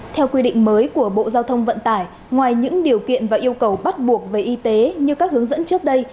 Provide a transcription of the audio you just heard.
theo quy định mới của bộ giao thông vận tải ngoài những điều kiện và yêu cầu bắt buộc về y tế như các hướng dẫn trước đây